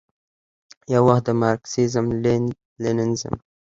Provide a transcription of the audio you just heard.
یووخت د مارکسیزم، لیننزم،